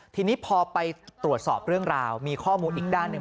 ทีนี้พอไปตรวจสอบเรื่องราวมีข้อมูลอีกด้านหนึ่ง